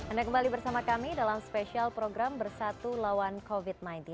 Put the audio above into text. anda kembali bersama kami dalam spesial program bersatu lawan covid sembilan belas